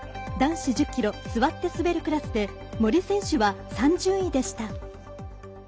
男子１０ｋｍ座って滑るクラスで森選手は３０位でした。